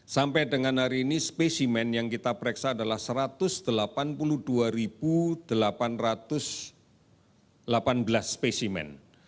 sampai dengan hari ini spesimen yang kita pereksa adalah satu ratus delapan puluh dua delapan ratus delapan belas spesimen